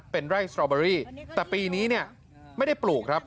เป็นไร่สตรอเบอรี่แต่ปีนี้เนี่ยไม่ได้ปลูกครับ